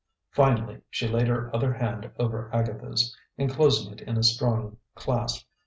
Finally she laid her other hand over Agatha's, enclosing it in a strong clasp.